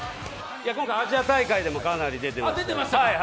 今回アジア大会でもかなり出てました。